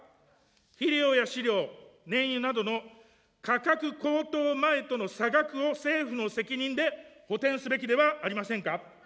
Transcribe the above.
肥料や飼料、燃油などの価格高騰前との差額を政府の責任で補填すべきではありませんか。